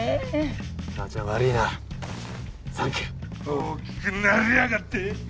大きくなりやがって。